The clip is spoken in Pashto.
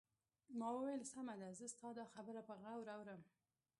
ما وویل: سمه ده، زه ستا دا خبره په غور اورم.